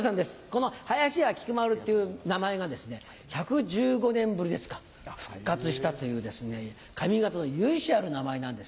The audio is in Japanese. この林家菊丸っていう名前がですね１１５年ぶりですか復活したという上方の由緒ある名前なんですね。